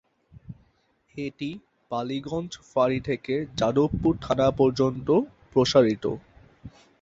এটি বালিগঞ্জ ফাঁড়ি থেকে যাদবপুর থানা পর্যন্ত প্রসারিত।